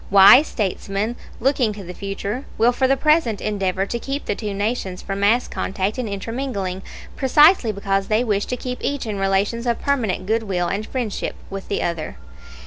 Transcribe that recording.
Wise statesmen, looking to the future, will for the present endeavor to keep the two nations from mass contact and intermingling, precisely because they wish to keep each in relations of permanent good will and friendship with the other.